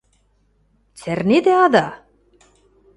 Цӓрнедӓ-ада?!